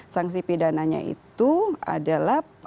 sanksi pidana itu adalah